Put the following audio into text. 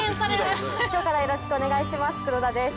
今日からよろしくお願いします黒田です。